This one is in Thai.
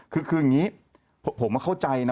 คืออย่างนี้ผมเข้าใจนะ